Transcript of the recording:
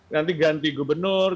nanti ganti gubernur